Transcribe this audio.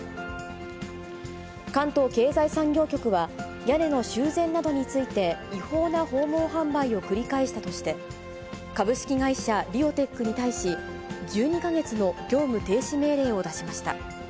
関東経済産業局は、屋根の修繕などについて、違法な訪問販売を繰り返したとして、株式会社リオテックに対して、１２か月の業務停止命令を出しました。